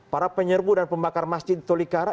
para penyerbu dan pembakar masjid tolikara